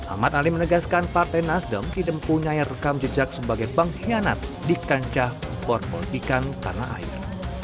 ahmad ali menegaskan partai nasdem tidak mempunyai rekam jejak sebagai pengkhianat di kancah porbon ikan tanah air